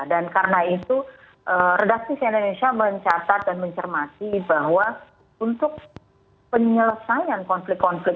dan karena itu redaktif indonesia mencatat dan mencermati bahwa untuk penyelesaian konflik konflik